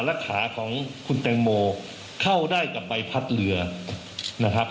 และขาของคุณแตงโมเข้าได้กับใบพัดเรือนะครับ